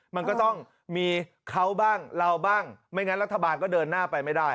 มันก็ต้องมีเขาบ้างเราบ้างไม่งั้นรัฐบาลก็เดินหน้าไปไม่ได้